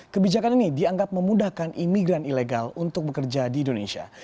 kebijakan ini dianggap memudahkan imigran ilegal untuk bekerja di indonesia